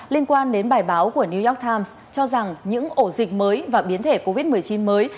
liên quan đến bài báo của new york times cho rằng những ổ dịch mới và biến thể covid một mươi chín mới